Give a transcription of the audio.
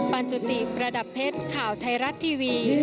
บรรจุติประดับเพชรข่าวไทยรัฐทีวี